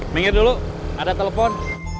minggir dulu ada telepon